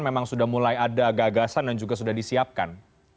memang sudah mulai ada gagasan dan juga sudah disiapkan